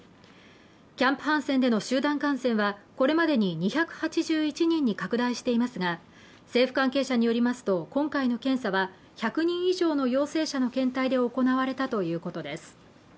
キャンプ・ハンセンでの集団感染はこれまでに２８１人に拡大していますが、政府関係者によりますと、今回の検査は１００人以上の陽性者の検体で行われたということです。